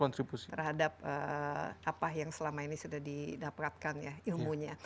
terhadap apa yang selama ini sudah didapatkan ya ilmunya